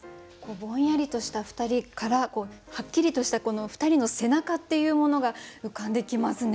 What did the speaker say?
ぼんやりとした２人からはっきりとした２人の背中っていうものが浮かんできますね。